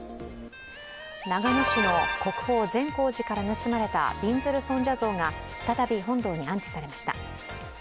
長野市の国宝・善光寺から盗まれたびんずる尊者像が再び本堂に安置されました。